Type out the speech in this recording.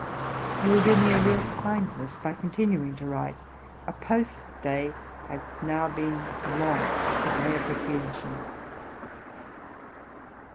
You will do me a real kindness by continuing to write. A post day has now been long a day of recreation.'